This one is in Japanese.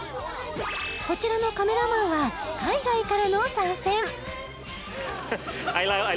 こちらのカメラマンは海外からの参戦